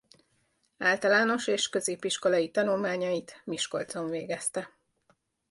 Általános és középiskolai tanulmányait Miskolcon végezte.